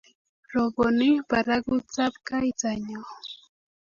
robonu barakutab kaitanyo